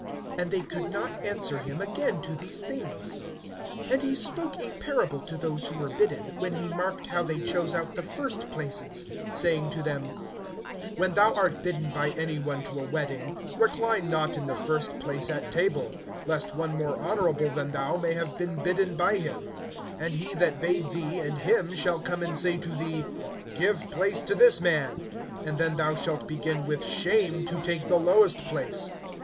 (6)And they could not answer him again to these things. (7)And he spoke a parable to those who were bidden, when he marked how they chose out the first places; saying to them: (8)When thou art bidden by any one to a wedding, recline not in the first place at table, lest one more honorable than thou may have been bidden by him; (9)and he that bade thee and him shall come and say to thee, Give place to this man; and then thou shalt begin with shame to take the lowest place.